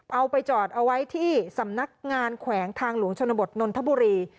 เอาไปจอดเอาไว้ที่สำนักงานแขวงทางหลวงชนบทนนทบุรี